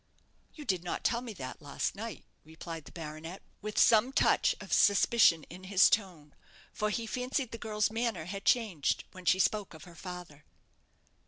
"You did not tell me that last night," replied the baronet, with some touch of suspicion in his tone, for he fancied the girl's manner had changed when she spoke of her father.